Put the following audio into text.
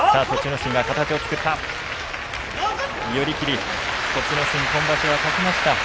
心、今場所は勝ちました。